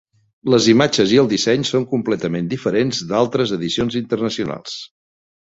Les imatges i el disseny són completament diferents d'altres edicions internacionals.